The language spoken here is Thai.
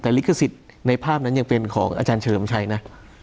แต่ลิขสิทธิ์ในภาพนั้นยังเป็นของอาจารย์เฉลิมชัยนะ